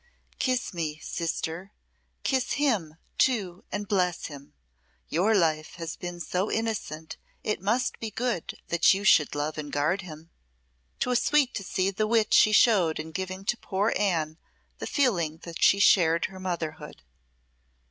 "Kiss me, sister kiss him, too, and bless him. Your life has been so innocent it must be good that you should love and guard him." 'Twas sweet to see the wit she showed in giving to poor Anne the feeling that she shared her motherhood.